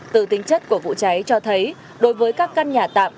từ tính chất của vụ cháy cho thấy đối với các căn nhà tạm